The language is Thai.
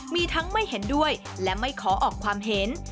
มีทั้งไม่เห็นด้วยและไม่ขอออกความเห็น